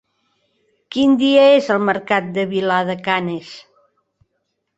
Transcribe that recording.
Quin dia és el mercat de Vilar de Canes?